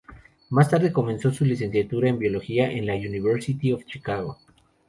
Más tarde, comenzó su licenciatura en biología en la University of Chicago.